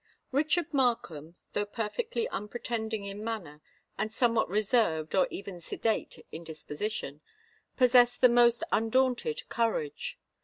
Richard Markham, though perfectly unpretending in manner and somewhat reserved or even sedate in disposition, possessed the most undaunted courage.